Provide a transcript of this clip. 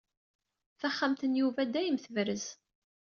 Taxxamt n Yuba dayem tebrez.